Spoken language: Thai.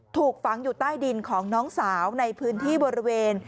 ถูกฝังอยู่ใต้ดินของน้องสาวในพื้นที่บริเวณ